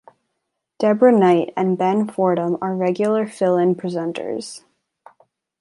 Deborah Knight and Ben Fordham are regular fill-in presenters.